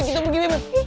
cepetan ayo kita pergi